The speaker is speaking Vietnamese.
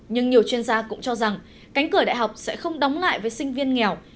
nhưng nhiều chuyên gia cũng cho rằng cánh cửa đại học sẽ không đóng lại với sinh viên nghèo